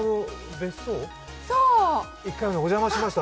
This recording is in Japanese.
一回、私、お邪魔しました。